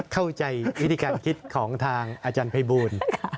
เข้าใจวิธีการคิดของทางอาจารย์ภัยบูล